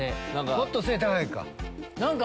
もっと背高いか。